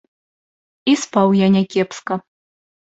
І спаў я някепска.